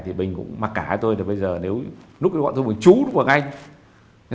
thì bình cũng mặc cả tôi là bây giờ nếu lúc đó gọi tôi bằng chú lúc đó gọi anh